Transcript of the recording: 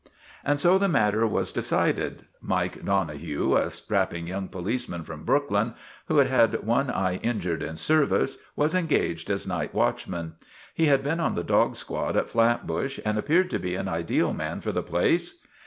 And so the matter was decided. Mike Donohue, a strapping young policeman from Brooklyn, who had had one eye injured in service, was engaged as night watchman. He had been on the dog squad in Flatbush and appeared to be an ideal man for the place.